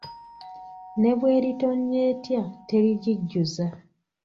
Ne bw’eritonnya etya terigijjuza.